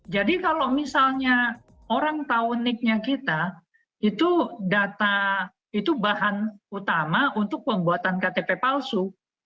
jadi kalau misalnya orang tahu nick nya kita itu data itu bahan utama untuk pembuatan ktp palsu